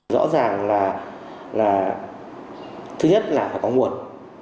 rõ ràng là thứ nhất là phải có nguồn